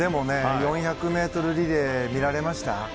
４００ｍリレー見られました。